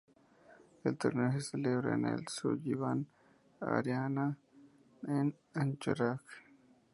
El torneo se celebra en el Sullivan Arena en Anchorage.